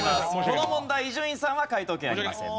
この問題伊集院さんは解答権ありません。